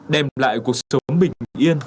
đem lại cuộc sống bình yên